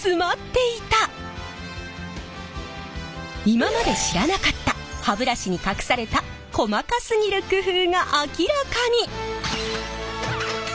今まで知らなかった歯ブラシに隠された細かすぎる工夫が明らかに！